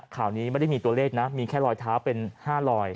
ข่าวนี้ไม่ได้มีตัวเลขนะมีแค่รอยเท้าเป็น๕ลอย